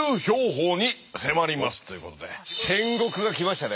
戦国が来ましたね。